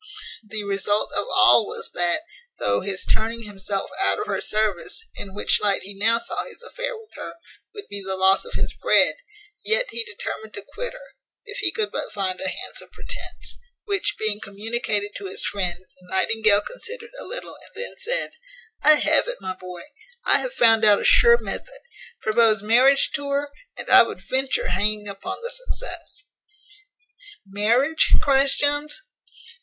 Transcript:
The result of all was, that, though his turning himself out of her service, in which light he now saw his affair with her, would be the loss of his bread; yet he determined to quit her, if he could but find a handsome pretence: which being communicated to his friend, Nightingale considered a little, and then said, "I have it, my boy! I have found out a sure method; propose marriage to her, and I would venture hanging upon the success." "Marriage?" cries Jones.